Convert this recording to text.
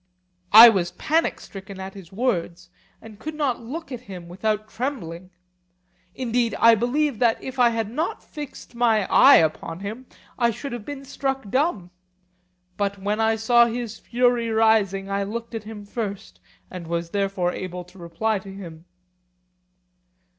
I was panic stricken at his words, and could not look at him without trembling. Indeed I believe that if I had not fixed my eye upon him, I should have been struck dumb: but when I saw his fury rising, I looked at him first, and was therefore able to reply to him.